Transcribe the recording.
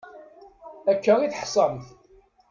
Akka i teḥṣamt.